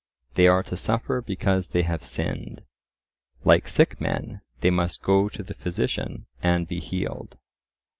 They are to suffer because they have sinned; like sick men, they must go to the physician and be healed.